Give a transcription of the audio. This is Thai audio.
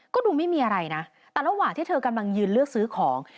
ก็ดูไม่มีอะไรนะแต่ระหว่างที่เธอกำลังยืนเลือกซื้อของ